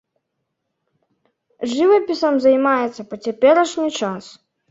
Жывапісам займаецца па цяперашні час.